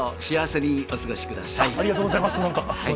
ありがとうございます。